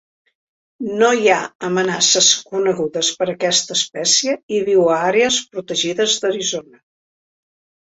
No hi ha amenaces conegudes per a aquesta espècie i viu a àrees protegides d'Arizona.